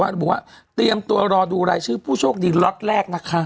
ระบุว่าเตรียมตัวรอดูรายชื่อผู้โชคดีล็อตแรกนะคะ